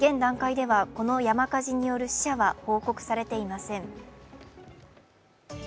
現段階では、この山火事による死者は報告されていません。